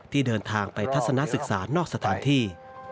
ที่เดินทางไปทัศนศึกษานอกสถานที่